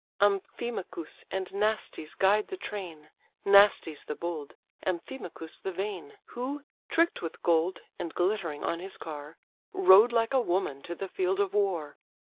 Amphimachus and Naustes guide the train, Naustes the bold, Amphimachus the vain, Who, trick'd with gold, and glittering on his car, Rode like a woman to the field of war.